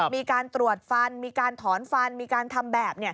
มีการตรวจฟันมีการถอนฟันมีการทำแบบ